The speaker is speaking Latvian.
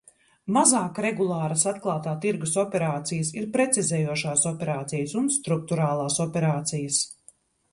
Mazāk regulāras atklātā tirgus operācijas ir precizējošās operācijas un strukturālās operācijas.